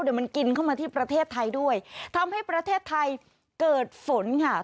เดี๋ยวมันกินเข้ามาที่ประเทศไทยด้วยทำให้ประเทศไทยเกิดฝนค่ะ